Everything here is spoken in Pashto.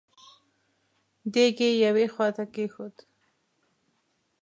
دېګ يې يوې خواته کېښود.